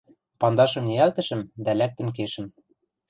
Пандашым ниӓлтӹшӹм дӓ лӓктӹн кешӹм.